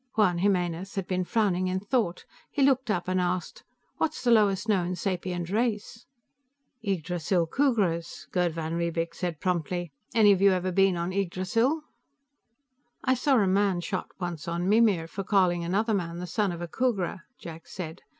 Juan Jimenez had been frowning in thought; he looked up and asked, "What's the lowest known sapient race?" "Yggdrasil Khooghras," Gerd van Riebeek said promptly. "Any of you ever been on Yggdrasil?" "I saw a man shot once on Mimir, for calling another man a son of a Khooghra," Jack said.